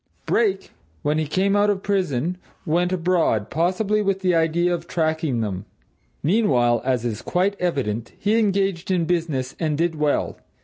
Brake, when he came out of prison, went abroad possibly with the idea of tracking them. Meanwhile, as is quite evident, he engaged in business and did well.